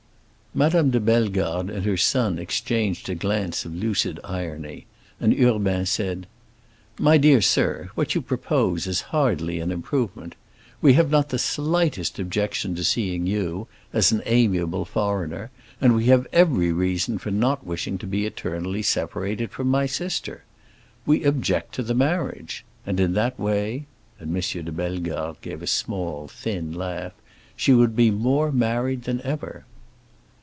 Madame de Bellegarde and her son exchanged a glance of lucid irony, and Urbain said, "My dear sir, what you propose is hardly an improvement. We have not the slightest objection to seeing you, as an amiable foreigner, and we have every reason for not wishing to be eternally separated from my sister. We object to the marriage; and in that way," and M. de Bellegarde gave a small, thin laugh, "she would be more married than ever."